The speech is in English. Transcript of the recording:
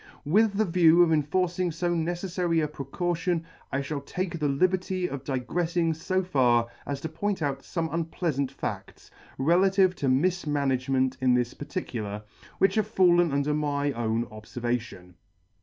With the view of enforcing fo neceflary a precaution, I fhall take the liberty of digrefling fo far as to point out fome unpleafant fads, relative to mifmanagement in this particular, which have fallen under my own obfervation.